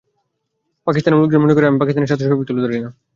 পাকিস্তানেও লোকজন মনে করে, আমি পাকিস্তানের স্বার্থ সেভাবে তুলে ধরি না।